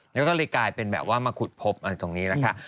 แล้วก็เลยกลายเป็นแบบว่ามาขุดพบอะไรตรงนี้นะคะ